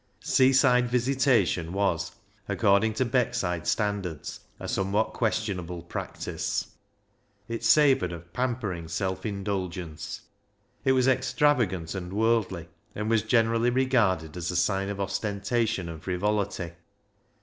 Seaside visitation was, according to Beckside standards, a somewhat questionable practice. THE HARMONIUM 325 It savoured of pampering self indulgence. It was extravagant and worldly, and was generally regarded as a sign of ostentation and frivolity.